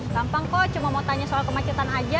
gampang kok cuma mau tanya soal kemacetan aja